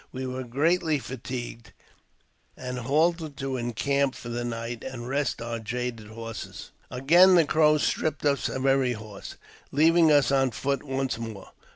We were greatly fatigued, and halted to encamp for the night and rest our jaded horses. Again the Crows stripped us of every horse, leaving us on foot once more.